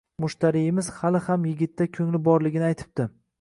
Mushtariyimiz hali ham yigitda ko`ngli borligini aytibdi